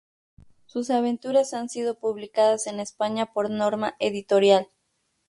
Sus aventuras han sido publicadas en España por Norma Editorial.